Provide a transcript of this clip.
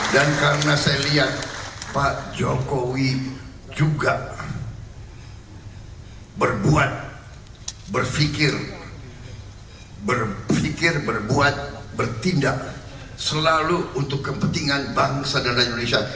dan karena saya lihat pak jokowi juga berbuat berfikir berpikir berbuat bertindak selalu untuk kepentingan bangsa dan indonesia